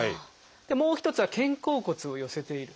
もう一つは肩甲骨を寄せている。